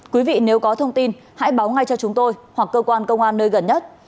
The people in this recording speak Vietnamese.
quý vị nếu có thông tin hãy báo ngay cho chúng tôi hoặc cơ quan công an nơi gần nhất